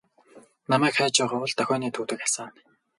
Намайг хайж байгаа бол дохионы түүдэг асаана.